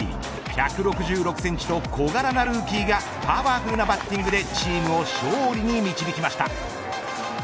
１６６センチと小柄なルーキーがパワフルなバッティングでチームを勝利に導きました。